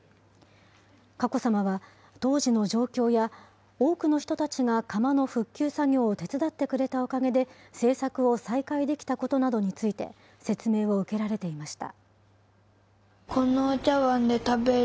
佳子さまは、当時の状況や、多くの人たちが窯の復旧作業を手伝ってくれたおかげで、制作を再開できたことなどについて、説明を受けられていました。